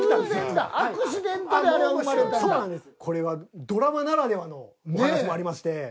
これはドラマならではのお話もありまして。